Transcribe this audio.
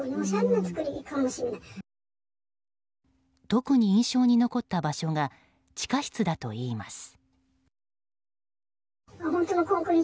特に印象に残った場所が地下室だといいます。